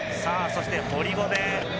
そして堀米。